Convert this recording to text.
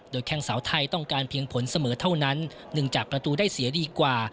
แข้งสาวไทยต้องการเพียงผลเสมอเท่านั้นเนื่องจากประตูได้เสียดีกว่า